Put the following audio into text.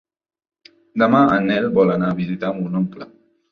Demà en Nel vol anar a visitar mon oncle.